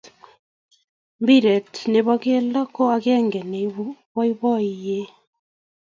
Mpiret ne bo kelto ko akenge ne ibuuu boiboyee.